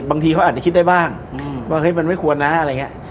บางทีเขาอาจจะคิดได้บ้างว่าเฮ้ยมันไม่ควรนะอะไรอย่างนี้